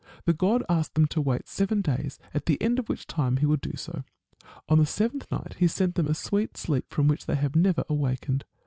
The god asked them to wait seven days, at the end of which time he would do so. On the seventh night he sent them a sweet sleep from which they have never awakened.